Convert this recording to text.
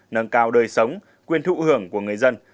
nâng cao đời sống quyền thụ hưởng của người dân